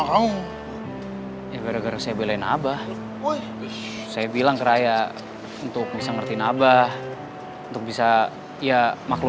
mau dipikir pikir si kemote kayak saya waktu muda dulu